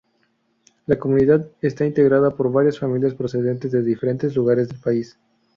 La comunidad está integrada por varias familias procedentes de diferentes lugares del país.